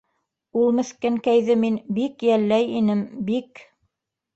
Ул меҫкенкәйҙе мин... бик йәлләй инем, бик...